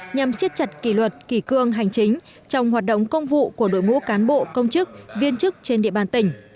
nhằm siết chặt kỷ luật kỳ cương hành chính trong hoạt động công vụ của đội ngũ cán bộ công chức viên chức trên địa bàn tỉnh